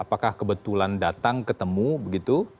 apakah kebetulan datang ketemu begitu